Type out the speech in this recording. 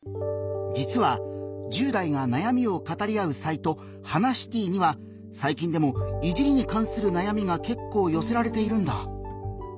実は１０代がなやみを語り合うサイト「ハナシティ」にはさい近でも「いじり」にかんするなやみが結構よせられているんだ。